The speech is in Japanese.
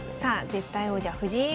絶対王者藤井叡